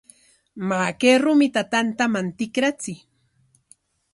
Maa, kay rumita tantaman tikrachiy.